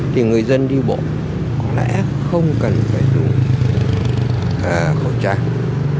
thì người dân đi bộ có lẽ không cần phải dùng khẩu trang